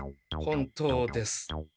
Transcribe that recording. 本当です。